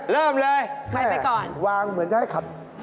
เริ่มเลยเผาไหม